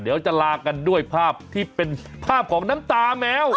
เดี๋ยวจะลากันด้วยภาพที่เป็นภาพของน้ำตาแมว